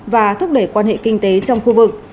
và thúc đẩy quan hệ kinh tế trong khu vực